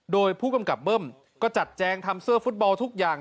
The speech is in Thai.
โดยผู้กำกับเบิ้มก็จัดแจงทำเสื้อฟุตบอลทุกอย่าง